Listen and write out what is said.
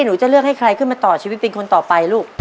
หนูจะเลือกให้ใครขึ้นมาต่อชีวิตเป็นคนต่อไปลูก